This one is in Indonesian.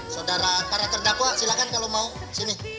saudara para terdakwa silahkan kalau mau sini